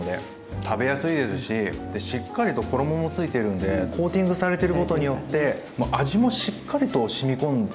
しっかりと衣も付いてるんでコーティングされてることによって味もしっかりとしみ込んでますよね。